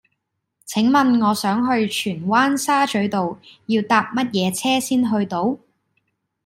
請問我想去荃灣沙咀道要搭乜嘢車先去到